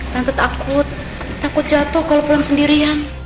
tante takut takut jatuh kalau pulang sendirian